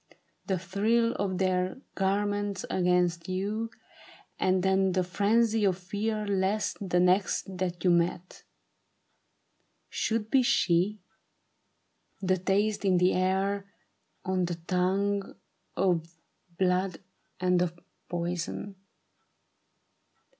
The thrill of their garments against you : and then The frenzy of fear lest the next that you met Should be she ; the taste in the air, on the tongue, Of blood and of poison.